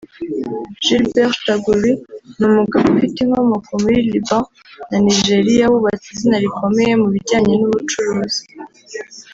Gilbert Chagoury ni umugabo ufite inkomoko muri Liban na Nigeria wubatse izina rikomeye mu bijyanye n’ubucuruzi